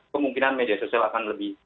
kemungkinan media sosial akan lebih